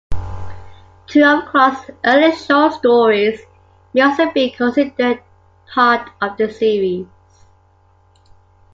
Two of Clarke's early short stories may also be considered part of the series.